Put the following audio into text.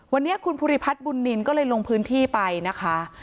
วันนี้คุณภูริพัฒน์บุญนินก็เลยลงพื้นที่ไปนะคะ